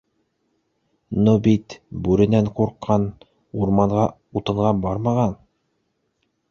Ну бит бүренән ҡурҡҡан - урманға утынға бармаған.